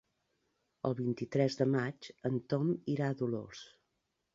El vint-i-tres de maig en Tom irà a Dolors.